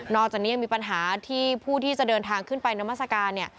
จากนี้ยังมีปัญหาที่ผู้ที่จะเดินทางขึ้นไปนามัศกาล